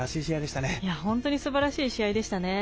本当にすばらしい試合でしたね。